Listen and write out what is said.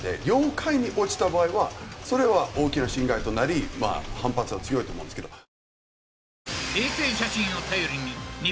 領海に落ちた場合はそれは大きな侵害となりまあ反発は強いと思うんですけど。